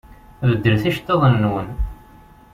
Beddlem iceṭṭiḍen-nwen!